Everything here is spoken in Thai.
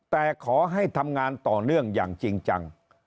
แต่ขอให้ทำงานต่อเนื่องอย่างจริงจัง